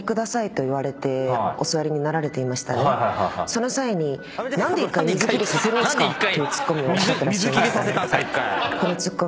その際に「何で１回水切りさせるんすか⁉」というツッコミをおっしゃってらっしゃいましたね。